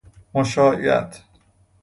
مشایعت